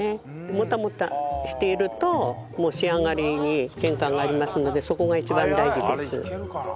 モタモタしていると仕上がりに変化がありますのでそこが一番大事です。